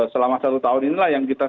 selama satu tahun inilah yang kita